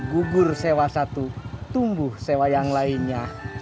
gugur sewa satu tumbuh sewa yang lainnya